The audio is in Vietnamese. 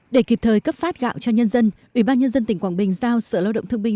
để kịp thời cấp phát gạo cho nhân dân ủy ban nhân dân tỉnh quảng bình giao sở lao động thương binh